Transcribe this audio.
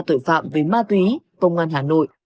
tội phạm về ma túy công an hà nội